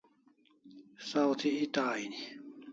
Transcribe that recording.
Saw thi eta aini